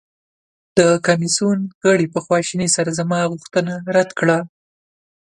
د کمیسیون غړي په خواشینۍ سره زما غوښتنه رد کړه.